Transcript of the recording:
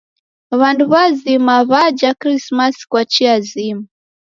W'andu w'azima w'aja Krismasi kwa chia zima.